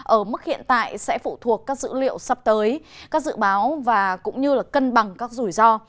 ở mức hiện tại sẽ phụ thuộc các dữ liệu sắp tới các dự báo và cũng như cân bằng các rủi ro